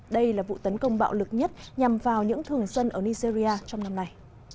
đây là vụ tấn công bạo lực nhất nhằm vào những thường dân ở nigeria trong năm nay